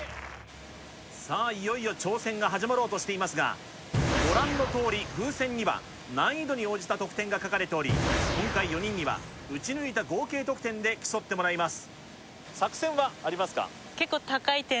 いよいよ挑戦が始まろうとしていますがご覧のとおり風船には難易度に応じた得点が書かれており、今回４人には打ち抜いた合計得点で競っていただきます。